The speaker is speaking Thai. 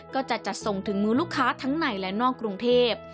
ก็จะจัดส่งถึงมือลูกค้าทั้งในและนอกกรุงเทพ